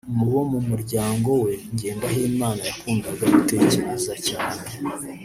Mu bo mu muryango we Ngendahimana yakundaga gutekereza cyane